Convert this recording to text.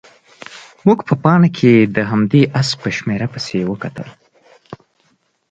موږ په پاڼه کې د همدې اس په شمېره پسې وکتل.